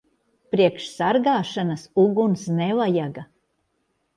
Priekš sargāšanas uguns nevajaga.